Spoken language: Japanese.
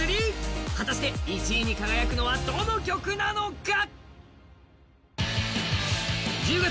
果たして１位に輝くのはどの曲なのか？